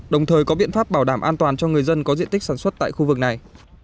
đồng thời có biện pháp bảo đảm an toàn cho người dân có diện tích sản xuất tại khu vực này